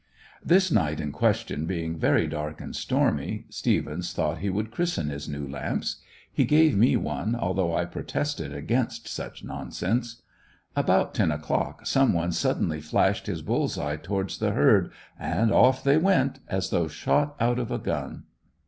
This night in question being very dark and stormy, Stephens thought he would christen his new lamps. He gave me one, although I protested against such nonsense. About ten o'clock some one suddenly flashed his bulls eye towards the herd, and off they went, as though shot out of a gun.